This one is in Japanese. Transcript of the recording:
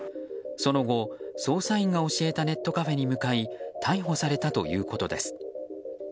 その後、捜査員が教えたネットカフェに向かい逮捕されたということです。